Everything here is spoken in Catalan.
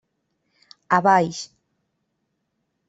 A baix.